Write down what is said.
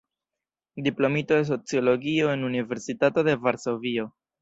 Diplomito de sociologio en Universitato de Varsovio.